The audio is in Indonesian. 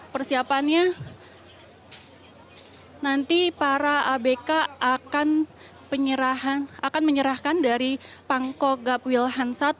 persiapannya nanti para abk akan menyerahkan dari pangko gap wilhan i